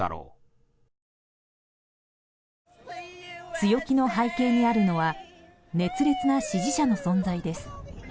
強気の背景にあるのは熱烈な支持者の存在です。